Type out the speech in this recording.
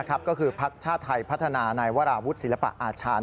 ก็คือภักดิ์ชาติไทยพัฒนานายวราวุฒิศิลปะอาชาญ